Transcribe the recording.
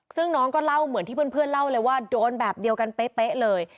ซึ่งน้องก็เล่าเหมือนที่เพื่อนเล่าเลยว่าโดนแบบเดียวกันเป๊ะเลย